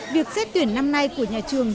việc xét tuyển năm nay của nhà trường